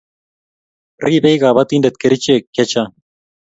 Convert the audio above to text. Ripei kabatindet kechirek che chang